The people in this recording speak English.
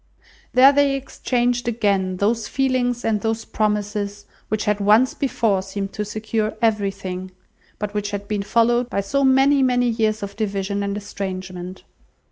There they exchanged again those feelings and those promises which had once before seemed to secure everything, but which had been followed by so many, many years of division and estrangement.